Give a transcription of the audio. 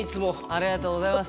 ありがとうございます。